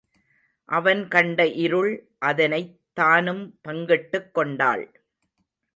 அவன் கண்ட இருள் அதனைத் தானும் பங்கிட்டுக் கொண்டாள்.